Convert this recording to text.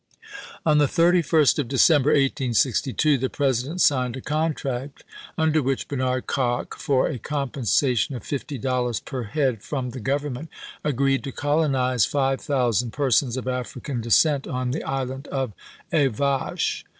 On the 31st of December, 1862, the President signed a contract under which Bernard Kock, for a compensation of fifty dollars per liead from the Government, agreed to colonize five thousand per sons of African descent on the island of A' Vache.